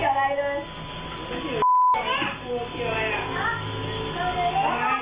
เอาบังจากอนร่าย